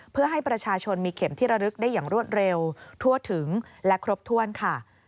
เพื่อให้ประชาชนมีเข็มที่ระลึกได้อย่างรวดเร็วทั่วถึงและครบถ้วนค่ะ